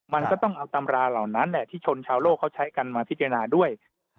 มันก็ต้องเอาตำราเหล่านั้นแหละที่ชนชาวโลกเขาใช้กันมาพิจารณาด้วย